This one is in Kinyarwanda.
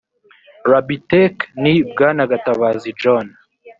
rabitec ni bwana gatabazi john